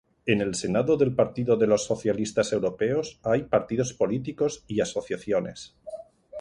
En el seno del Partido de los Socialistas Europeos hay partidos políticos y asociaciones.